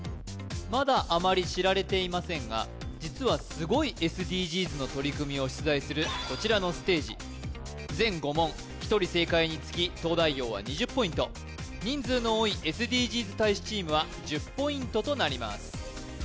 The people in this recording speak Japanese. まだあまり知られていませんが実はすごいＳＤＧｓの取り組みを出題するこちらのステージ全５問１人正解につき東大王は２０ポイント人数の多いＳＤＧｓ大使チームは１０ポイントとなります